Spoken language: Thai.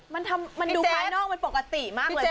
มันดูภายนอกมันปกติมากเลย